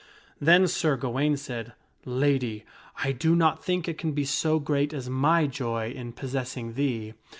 Then Sir Gawaine said, " Lady, I do not think it can be so great as my joy in possessing thee."